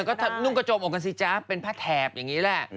นิ่งอะเธอก็นุ้งกระโจบอกกันซิจ๊ะเป็นพระแถบอย่างนี้แหละ